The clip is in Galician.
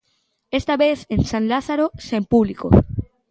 Esta vez en San Lázaro sen público.